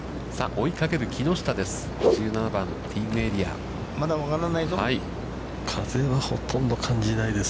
追いかける木下です。